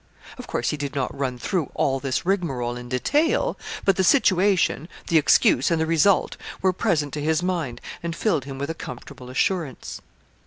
Of course he did not run through all this rigmarole in detail; but the situation, the excuse, and the result, were present to his mind, and filled him with a comfortable assurance.